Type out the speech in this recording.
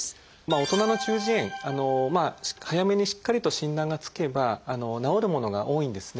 大人の中耳炎早めにしっかりと診断がつけば治るものが多いんですね。